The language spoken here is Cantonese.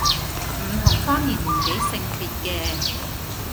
唔同方言年紀性別嘅